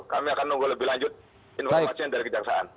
kami akan menunggu lebih lanjut informasinya dari kejaksaan